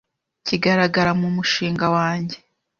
kigaragara mu mushinga wanjye